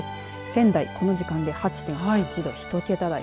仙台、この時間で８．８度１桁台。